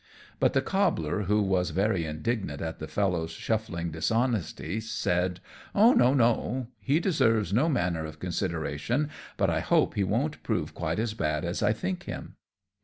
But the Cobbler, who was very indignant at the fellow's shuffling dishonesty, said, "No, no, he deserves no manner of consideration, but I hope he won't prove quite as bad as I think him."